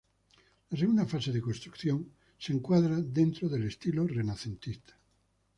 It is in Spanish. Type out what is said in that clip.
La segunda fase de construcción se encuadra dentro del estilo renacentista.